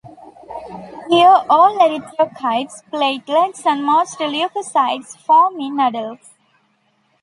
Here all erythrocytes, platelets, and most leukocytes form in adults.